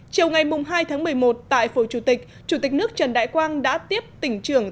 chiều ngày hai tháng một mươi một tại phủ chủ tịch chủ tịch nước trần đại quang đã tiếp tỉnh trưởng